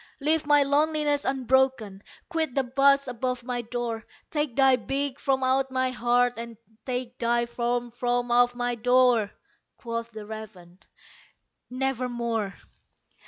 Leave my loneliness unbroken! quit the bust above my door! Take thy beak from out my heart, and take thy form from off my door!" Quoth the raven, "Nevermore."